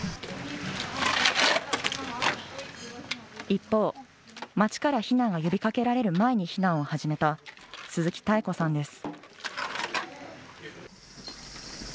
一方、町から避難を呼びかけられる前に避難を始めた鈴木妙子さんです。